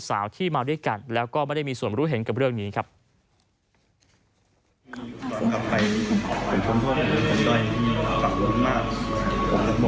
แล้วผมไม่ได้เป็นมาร์โฟผมอยากมาแก้ค่าตรงนี้ด้วยนะครับ